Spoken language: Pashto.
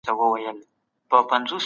مينه